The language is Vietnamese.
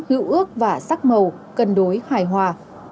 hiếu ước và sắc màu cân đối hài hòa